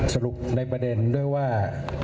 สรุปในประเด็นด้วยว่า